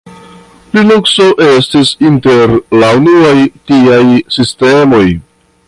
Linukso estis inter la unuaj tiaj sistemoj.